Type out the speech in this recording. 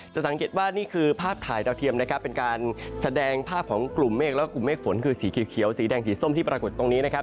สังเกตว่านี่คือภาพถ่ายดาวเทียมนะครับเป็นการแสดงภาพของกลุ่มเมฆและกลุ่มเมฆฝนคือสีเขียวสีแดงสีส้มที่ปรากฏตรงนี้นะครับ